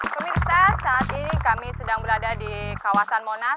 pemirsa saat ini kami sedang berada di kawasan monas